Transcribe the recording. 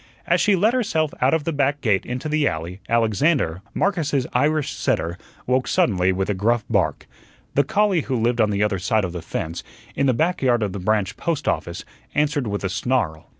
As she let herself out of the back gate into the alley, Alexander, Marcus's Irish setter, woke suddenly with a gruff bark. The collie who lived on the other side of the fence, in the back yard of the branch post office, answered with a snarl.